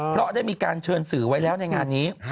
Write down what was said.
เพราะได้มีการเชิญสื่อไว้แล้วในงานนี้